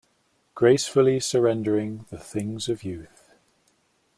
Gracefully surrendering the things of youth.